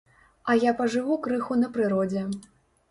А я пажыву крыху на прыродзе.